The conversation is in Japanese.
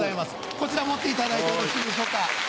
こちら持っていただいてよろしいでしょうか。